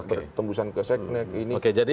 bertembusan kesek ini ini ini